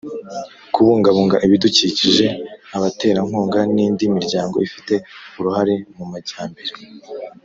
kubungabunga ibidukikije abaterankunga n'indi miryango ifite uruhare mu majyambere